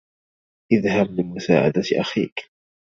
اذهب لمساعدة أخيك!